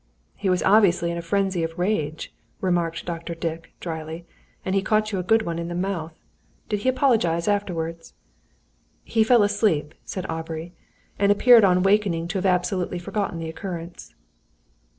"He was obviously in a frenzy of rage," remarked Dr. Dick, drily; "and he caught you a good one on the mouth. Did he apologise afterwards?" "He fell asleep," said Aubrey, "and appeared on awaking to have absolutely forgotten the occurrence."